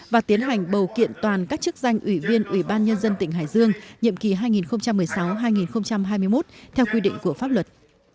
và tiến hành bầu kiện toàn các chức danh ủy viên ủy ban nhân dân tỉnh hải dương nhiệm kỳ hai nghìn một mươi sáu hai nghìn hai mươi một theo quy định của pháp luật